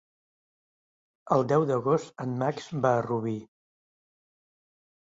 El deu d'agost en Max va a Rubí.